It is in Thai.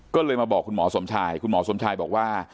ก็เลยมาบอกคุณหมอสมชายคุณหมอสมชายบอกว่า